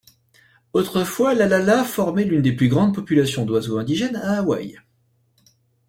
Autrefois l'alala formait l'une des plus grandes populations d'oiseaux indigènes à Hawaï.